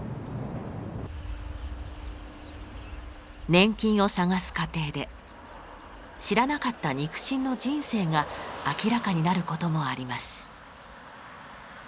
年金を探す過程で知らなかった肉親の人生が明らかになることもあります。